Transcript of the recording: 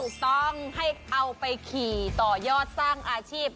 ต้องให้เอาไปขี่ต่อยอดสร้างอาชีพ